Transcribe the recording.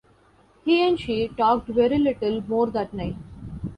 He and she talked very little more that night.